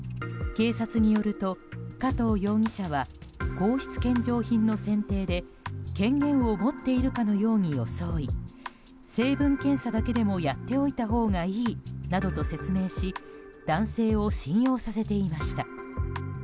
警察によると加藤容疑者は皇室献上品の選定で権限を持っているかのように装い成分検査だけでもやっておいたほうがいいなどと説明し男性を信用させていました。